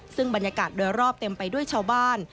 ซึ่งบรรยากาศโดยรอบเต็มไปด้วยชาวบ้าน